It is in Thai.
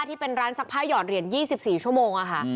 ที่เป็นร้านซักผ้าหยอดเหรียญ๒๔ชั่วโมงค่ะ